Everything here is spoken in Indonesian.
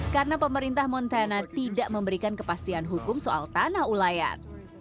karena pemerintah montana tidak memberikan kepastian hukum soal tanah ulayar